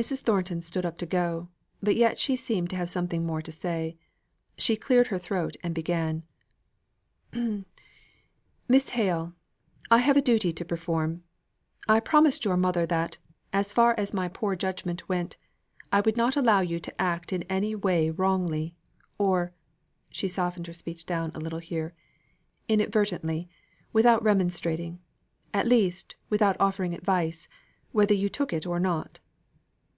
Mrs. Thornton stood up to go, but yet she seemed to have something more to say. She cleared her throat and began: "Miss Hale, I have a duty to perform. I promised your poor mother that, as far as my poor judgment went, I would not allow you to act in any way wrongly, or (she softened her speech down a little here) inadvertently, without remonstrating; at least without offering advice, whether you took it or not."